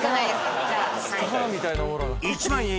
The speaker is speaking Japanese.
１万円